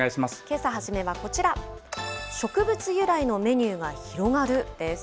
けさ初めはこちら、植物由来のメニューが広がるです。